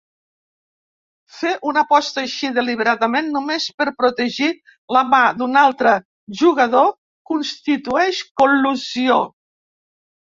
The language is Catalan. Fer una aposta així deliberadament només per protegir la mà d'un altre jugador constitueix col·lusió.